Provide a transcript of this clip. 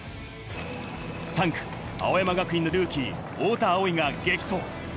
３区、青山学院のルーキー・太田蒼生が激走。